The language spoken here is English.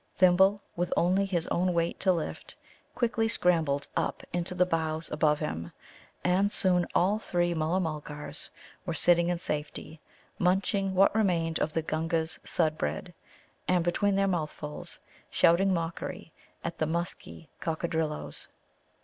Thimble, with only his own weight to lift, quickly scrambled up into the boughs above him. And soon all three Mulla mulgars were sitting in safety, munching what remained of the Gunga's Sudd bread, and between their mouthfuls shouting mockery at the musky Coccadrilloes.